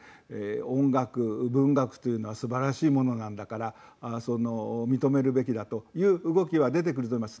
音楽、文学というのはすばらしいものなんだから認めるべきだという動きは出てくると思います。